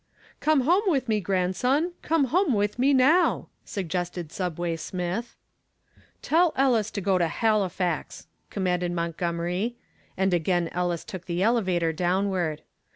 "Come home with me, grandson, come home with me now," suggested Subway Smith. "Tell Ellis to go to Halifax," commanded Montgomery, and again Ellis took the elevator downward.